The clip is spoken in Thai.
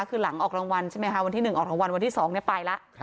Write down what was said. คือหลังออกรางวัลใช่ไหมคะวันที่๑ออกรางวัลวันที่๒ไปแล้ว